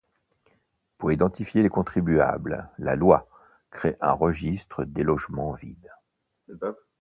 Pour identifier les contribuables, la loi crée un registre des logements vides.